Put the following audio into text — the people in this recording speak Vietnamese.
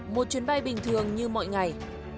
một chuyến bay bình thường như mọi ngày